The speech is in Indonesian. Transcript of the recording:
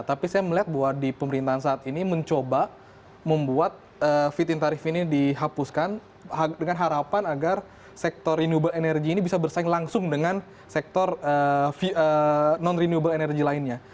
tapi saya melihat bahwa di pemerintahan saat ini mencoba membuat fit in tarif ini dihapuskan dengan harapan agar sektor renewable energy ini bisa bersaing langsung dengan sektor non renewable energy lainnya